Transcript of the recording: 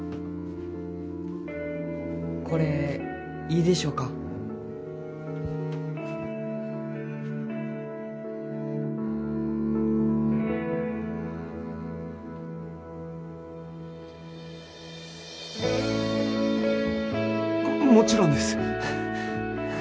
これいいでしょうか？ももちろんです。